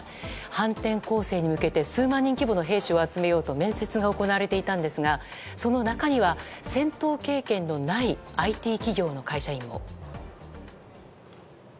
反転攻勢に向けて数万人規模の兵士を集めようと面接が行われていたんですがその中には戦闘経験のないＩＴ企業の会社員も。